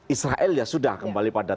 israel ya sudah kembali pada